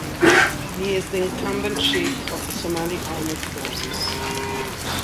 He is the incumbent Chief of the Somali Armed Forces.